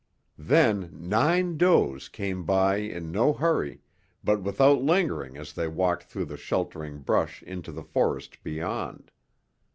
Then nine does came by in no hurry, but without lingering as they walked through the sheltering brush into the forest beyond.